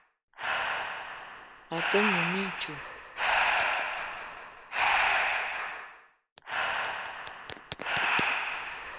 A te num mintchoul